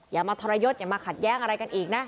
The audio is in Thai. อย่ามาทรยศอย่ามาขัดแย้งอะไรกันอีกนะ